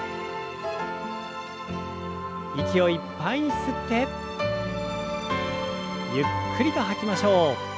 息をいっぱいに吸ってゆっくりと吐きましょう。